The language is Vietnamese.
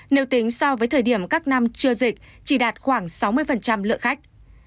nếu tính so với thời điểm các năm chưa dịch chỉ đạt khoảng sáu mươi lượng khách